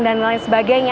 dan lain lain sebagainya